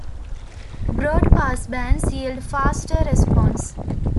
Broad passbands yield faster response.